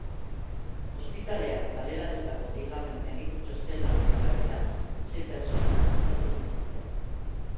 Ospitalean kaleratutako bigarren mediku txostenaren arabera, sei pertsona artatu dituzte.